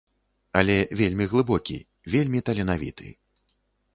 Але вельмі глыбокі, вельмі таленавіты.